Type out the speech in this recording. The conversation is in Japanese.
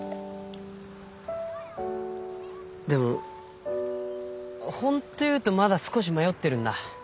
でもホント言うとまだ少し迷ってるんだ。